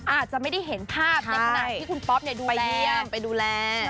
อาจจะไม่ได้เห็นภาพนะตอนที่คุณป๊อกดูแล